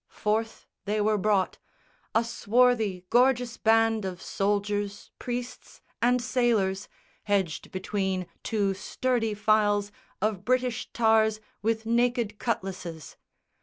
Forth they were brought, A swarthy gorgeous band of soldiers, priests, And sailors, hedged between two sturdy files Of British tars with naked cutlasses.